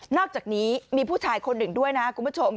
อกจากนี้มีผู้ชายคนหนึ่งด้วยนะคุณผู้ชม